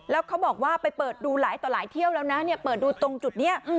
แล้วเขาบอกว่าไปเปิดดูหลายต่อหลายเที่ยวแล้วนะเนี่ยเปิดดูตรงจุดนี้